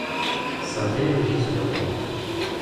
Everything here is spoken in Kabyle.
Tesseɣ kan yiwen n lkas n waman.